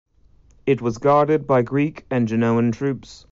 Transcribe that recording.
It was guarded by Greek and Genoan troops.